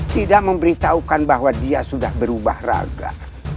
tidak memberitahukan bahwa dia sudah berubah raga